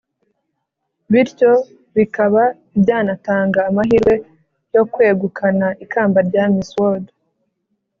bityo bikaba byanatanga amahirwe yo kwegukana ikamba rya miss world."